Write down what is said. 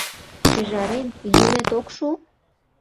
— Шӱжарем, йӱмет ок шу?